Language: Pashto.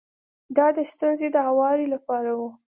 دا د ستونزې د هواري لپاره و.